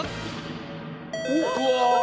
うわ！